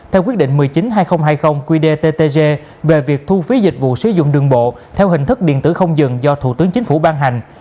theo quyết định một mươi chín hai nghìn hai mươi qdttg về việc thu phí dịch vụ sử dụng đường bộ theo hình thức điện tử không dừng do thủ tướng chính phủ ban hành